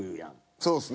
そうですね。